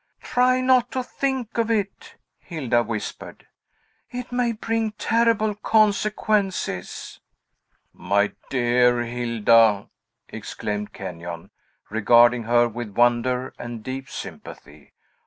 Try not to think of it!" Hilda whispered. "It may bring terrible consequences!" "My dear Hilda!" exclaimed Kenyon, regarding her with wonder and deep sympathy.